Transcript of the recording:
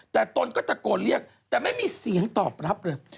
แต่ตนก็ตะโกนเรียกแต่ไม่มีเสียงตอบรับเลย